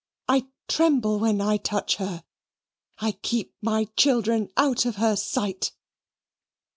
I tremble when I touch her. I keep my children out of her sight."